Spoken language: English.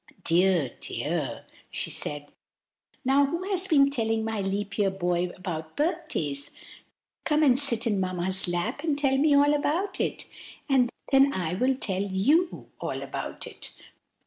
"Dear! dear!" she said. "Now who has been telling my leap year boy about birthdays? Come and sit in Mamma's lap and tell me all about it, and then I will tell you all about it."